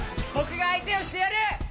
ぼくがあいてをしてやる！